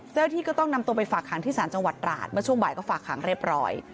เจ้าหน้าที่ก็ต้องนำตัวไปฝากหางที่สารจังหวัดราชเมื่อช่วงบ่ายก็ฝากหางเรียบร้อย